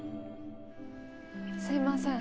「すいません」